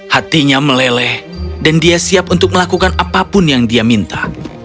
hatinya meleleh dan dia siap untuk melakukan apapun yang dia minta